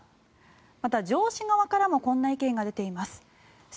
また、上司側からもこんな意見が出ています。